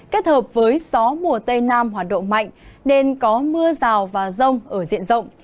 kết hợp với gió mùa tây nam hoạt động mạnh nên có mưa rào và rông ở diện rộng